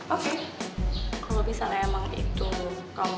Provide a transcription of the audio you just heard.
oke kalau misalnya emang itu kamu yang putus yaudah oke kita putus